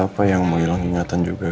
siapa yang mau hilang ingatan juga kan